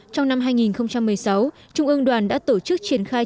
trong năm hai nghìn một mươi sáu trung ương đoàn đã tổ chức triển khai trường hợp